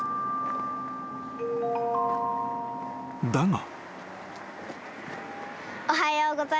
［だが］